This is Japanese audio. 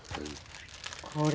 これ。